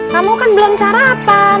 kamu kan belum sarapan